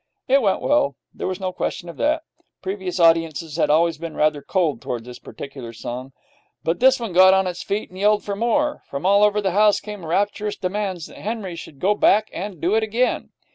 It went well; there was no question of that. Previous audiences had always been rather cold towards this particular song, but this one got on its feet and yelled for more. From all over the house came rapturous demands that Henry should go back and do it again.